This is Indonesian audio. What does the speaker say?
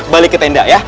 balik ke tenda ya